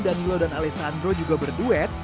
danilo dan alesandro juga berduet